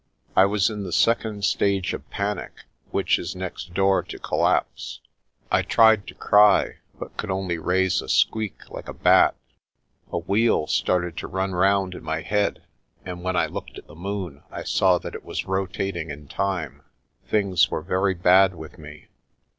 I was in the second stage of panic, which is next door to collapse. I tried to cry, but could only raise a squeak like a bat. A wheel started to run round in my head, and, when I looked at the moon, I saw that it was rotating in time. Things were very bad with me.